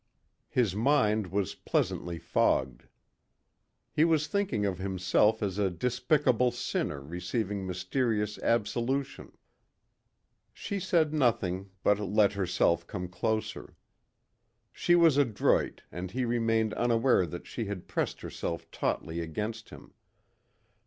His mind was pleasantly fogged. He was thinking of himself as a despicable sinner receiving mysterious absolution. She said nothing but let herself come closer. She was adroit and he remained unaware that she had pressed herself tautly against him.